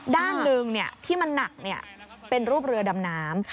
ด้านหนึ่งที่มันหนักเป็นรูปเรือดำน้ำ